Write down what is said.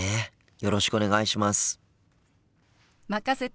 よろしくお願いします。